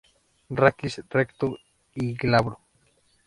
Raquis recto y glabro.